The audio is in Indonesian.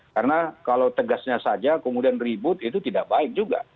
karena kalau tegasnya saja kemudian ribut itu tidak baik juga